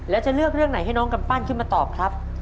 แล้วจะเลือกเรื่องไหนให้น้องกำปั้นขึ้นมาตอบครับ